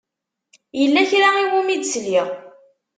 Yella kra i wumi d-sliɣ.